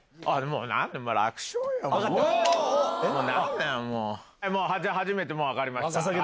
もう「初めて」も分かりました。